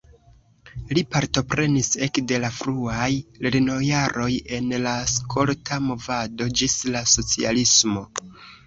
Li partoprenis ekde la fruaj lernojaroj en la skolta movado ĝis la socialismo.